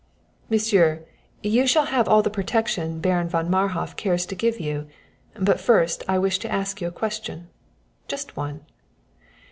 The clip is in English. "Monsieur, you shall have all the protection Baron von Marhof cares to give you; but first I wish to ask you a question just one.